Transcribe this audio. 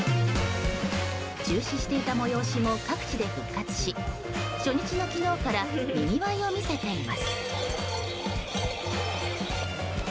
中止していた催しも各地で復活し初日の昨日からにぎわいを見せています。